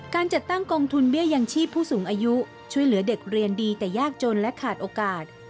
การจัดตั้งกองทุนเบี้ยยังชีพผู้สูงอายุช่วยเหลือเด็กเรียนดีแต่ยากจนและขาดโอกาส